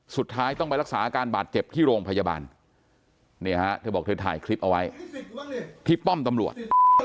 สุดท้ายต้องไปรักษาอาการบาดเจ็บที่โรงพยาบาลเนี่ยฮะเธอบอกเธอถ่ายคลิปเอาไว้ที่ป้อมตำรวจ